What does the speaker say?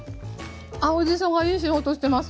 青じそがいい仕事してます。